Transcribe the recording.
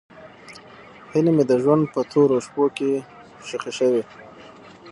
هیلې مې د ژوند په تورو شپو کې ښخې شوې.